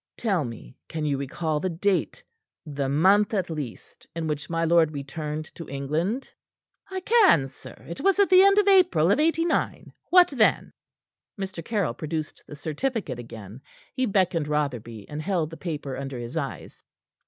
Tell me can you recall the date, the month at least, in which my lord returned to England?" "I can, sir. It was at the end of April of '89. What then?" Mr. Caryll produced the certificate again. He beckoned Rotherby, and held the paper under his eyes.